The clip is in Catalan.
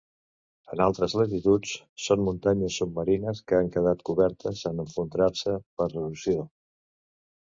En altres latituds, són muntanyes submarines que han quedat cobertes en esfondrar-se per erosió.